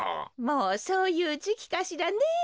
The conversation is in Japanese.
もうそういうじきかしらねえ。